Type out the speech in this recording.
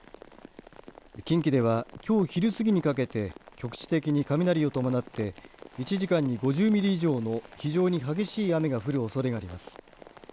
近畿ではきょう昼過ぎにかけて局地的に雷を伴って１時間に５０ミリ以上の非常に激しい雨が降るおそれがあります。